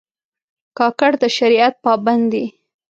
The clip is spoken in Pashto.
کاکړ د شریعت پابند دي.